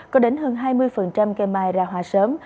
có đến hơn hai mươi cây mai ra hoa sớm